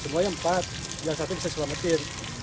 semuanya empat yang satu bisa diselamatin